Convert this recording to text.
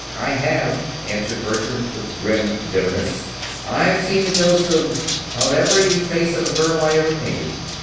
"I have," answered Bertram, with grim bitterness. "I've seen the ghost of of every 'Face of a Girl' I ever painted."